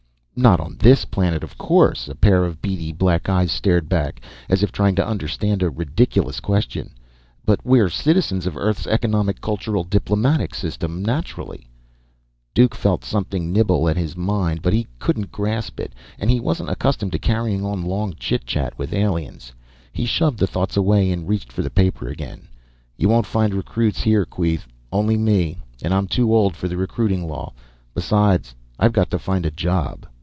"Not on this planet, of course." A pair of beady black eyes stared back, as if trying to understand a ridiculous question. "But we're citizens of Earth's economic cultural diplomatic system, naturally." Duke felt something nibble at his mind, but he couldn't grasp it. And he wasn't accustomed to carrying on long chitchat with aliens. He shoved the thoughts away and reached for the paper again. "You won't find recruits here, Queeth. Only me. And I'm too old for the recruiting law. Besides, I've got to find a job."